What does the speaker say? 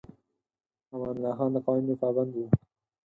امان الله خان د قوانینو پابند و.